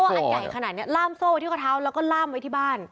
อันใหญ่ขนาดนี้ล่ามโซ่ไว้ที่ข้อเท้าแล้วก็ล่ามไว้ที่บ้าน